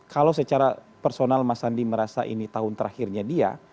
kalau secara personal mas sandi merasa ini tahun terakhirnya dia